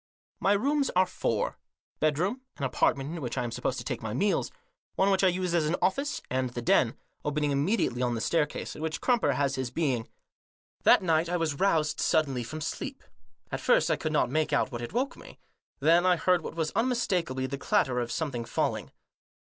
My rooms are four: bedroom ; an apartment in which I am supposed to take my meals ; one which I use as an office ; and the den, opening immediately on to the staircase, in which Crumper has his being. That night I was roused suddenly from sleep. At first I could not make out what had woke me. Then I heard what was unmistakably the clatter of some thing falling.